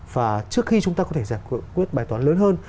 và trước khi chúng ta có thể giải quyết bài toán lớn hơn